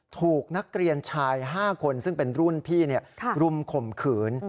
ถูกนักเรียนชาย๕คนซึ่งเป็นรุ่นพี่รุมข่มขืน